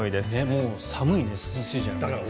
もう寒いね涼しいじゃなくて。